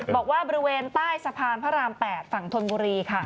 บอกว่าบริเวณใต้สะพานพระรามแปดฝั่งธนบุรีค่ะ